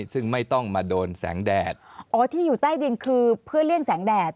ซึ่งไม่ต้องมาโดนแสงแดดอ๋อที่อยู่ใต้ดินคือเพื่อเลี่ยงแสงแดด